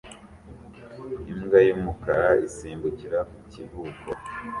Imbwa y'umukara isimbukira ku kivuko